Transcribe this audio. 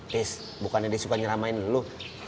tis bukannya dia suka nyeramain dulu